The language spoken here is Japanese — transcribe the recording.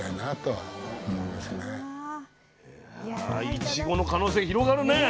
いちごの可能性広がるね。